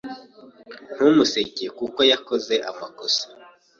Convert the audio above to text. Ntumuseke kuko yakoze amakosa.